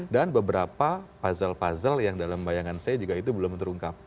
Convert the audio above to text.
dan beberapa puzzle puzzle yang dalam bayangan saya juga itu belum terungkap